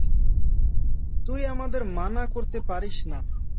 তুই আমাদের মানা করতে পারিস না।